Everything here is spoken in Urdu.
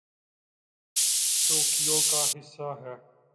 ٹوکیو کا حصہ ہے